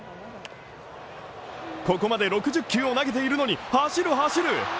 ここまで６０球を投げているのに、走る走る。